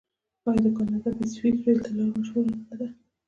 آیا د کاناډا پیسفیک ریل لار مشهوره نه ده؟